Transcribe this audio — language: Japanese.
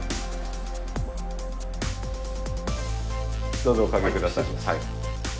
どうぞお掛け下さい。